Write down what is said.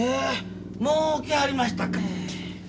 もう来はりましたか。